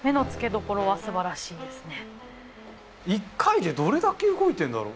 １回でどれだけ動いてんだろう？